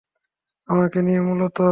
আমাকে নিয়ে, মূলত।